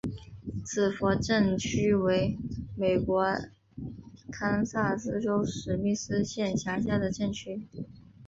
比弗镇区为美国堪萨斯州史密斯县辖下的镇区。